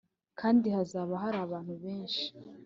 kandi hazaba hari abantu benshi;